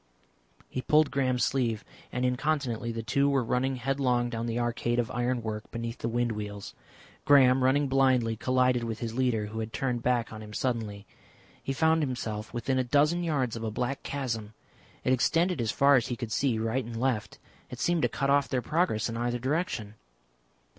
He pulled Graham's sleeve, and incontinently the two were running headlong down the arcade of iron work beneath the wind wheels. Graham, running blindly, collided with his leader, who had turned back on him suddenly. He found himself within a dozen yards of a black chasm. It extended as far as he could see right and left. It seemed to cut off their progress in either direction.